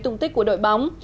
tung tích của đội bóng